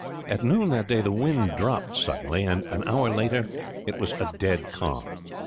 At noon that day the wind dropped suddenly, and, an hour later, it was a dead calm.